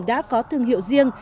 đã có thương hiệu riêng